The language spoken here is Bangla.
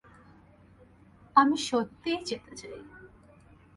আমি সত্যিই যেতে চাই।